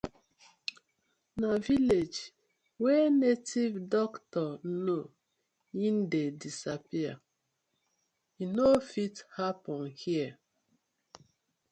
Na village wey native doctor know e dey disappear, e no fit happen here.